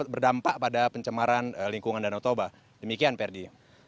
berdampak pada pencemaran lingkungan danau toba demikian ferdi